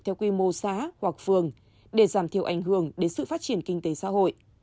theo quy mô xã hoặc phường để giảm thiểu ảnh hưởng đến sự phát triển kinh tế xã hội